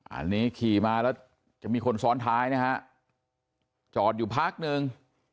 อันนี้ขี่มาแล้วจะมีคนซ้อนท้ายนะฮะจอดอยู่พักหนึ่ง